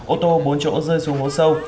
ô tô bốn chỗ rơi xuống hố sâu